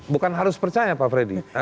bukan harus percaya pak freddy